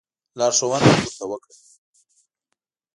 لارښوونه یې ورته وکړه.